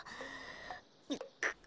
うっくっ。